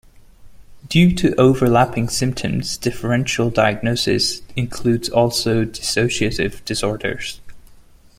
Due to overlapping symptoms, differential diagnosis includes also dissociative disorders.